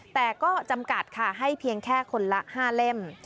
แต่ก็จำกัดค่ะให้เพียงแค่คนละ๕เล่ม